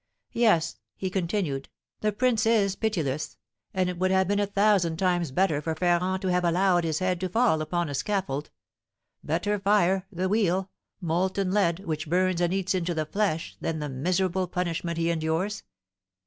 Yes," he continued, "the prince is pitiless, and it would have been a thousand times better for Ferrand to have allowed his head to fall upon a scaffold; better fire, the wheel, molten lead, which burns and eats into the flesh, than the miserable punishment he endures!